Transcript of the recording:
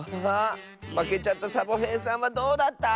まけちゃったサボへいさんはどうだった？